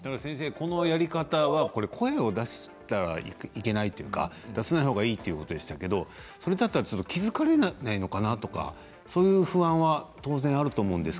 このやり方は声を出してはいけないとか出さないほうがいいということでしたけれど気付かないのかなとかそういう話は当然あると思います。